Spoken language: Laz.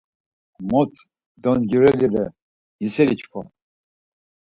Mot doncireli re, yiseli çkva.